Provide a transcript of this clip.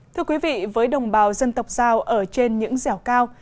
thưa quý vị với đồng bào dân tộc giao ở trên những dẻo cao